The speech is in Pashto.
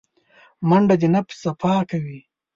منډه د نفس صفا کوي